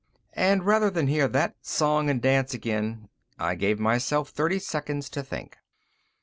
And rather than hear that song and dance again, I gave myself thirty seconds to think.